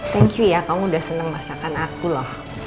thank you ya kamu udah seneng masakan aku loh